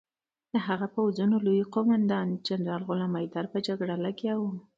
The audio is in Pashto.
د هغه د پوځونو لوی قوماندان جنرال غلام حیدر په جګړه لګیا وو.